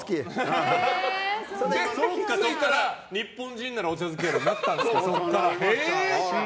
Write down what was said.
そこから日本人ならお茶漬けになったと。